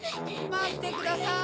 まってください！